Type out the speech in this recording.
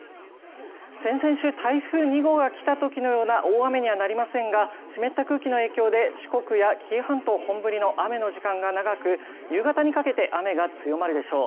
先々週台風２号が来たときのような大雨にはなりませんが、湿った空気の影響で、四国や紀伊半島、本降りの雨の時間が長く、夕方にかけて雨が強まるでしょう。